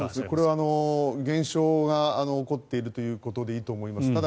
これは減少が起こっているということでいいと思います。